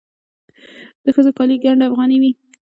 د ښځو کالي ګنډ افغاني وي.